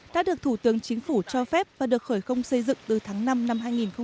đã được thủ tướng chính phủ cho phép và được khởi công xây dựng từ tháng năm năm hai nghìn một mươi